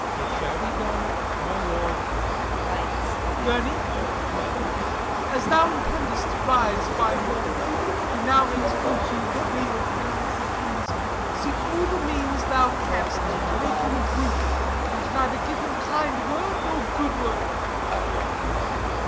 Mat. It shall be done, my lord. [Writes. Y. Mor. Gurney, Gur. My lord? Y. Mor. As thou intend'st to rise by Mortimer, Who now makes Fortune's wheel turn as he please, Seek all the means thou canst to make him droop, And neither give him kind word nor good look.